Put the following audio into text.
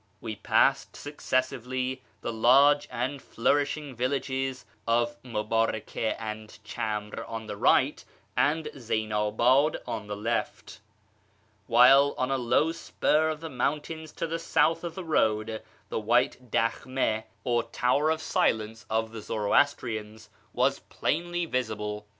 iWe passed successively the large and flourishing villages of Mubarake and Chamr on the right, and Zeynabad on the left, while on a low spur of the mountains to the south of the road the white daklmU or " tower of silence " of the Zoroastrians \vas plainly visible.